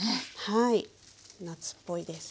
はい夏っぽいです。